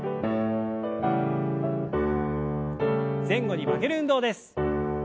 前後に曲げる運動です。